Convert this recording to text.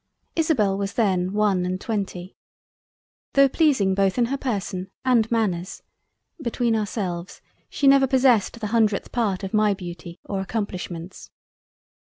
Isobel was then one and twenty. Tho' pleasing both in her Person and Manners (between ourselves) she never possessed the hundredth part of my Beauty or Accomplishments.